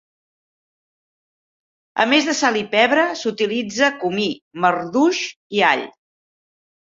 A més de sal i pebre, s"utilitza comí, marduix i all.